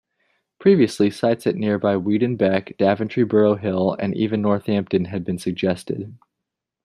Previously, sites at near-by Weedon Bec, Daventry-Borough Hill and even Northampton had been suggested.